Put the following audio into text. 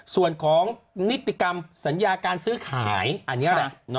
ส่วนของนิติกรรมสัญญาการซื้อขายอันนี้แหละ